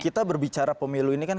kita berbicara pemilu ini kan